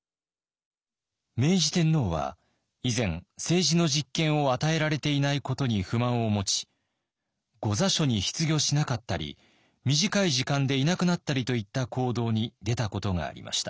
明治天皇は以前政治の実権を与えられていないことに不満を持ち御座所に出御しなかったり短い時間でいなくなったりといった行動に出たことがありました。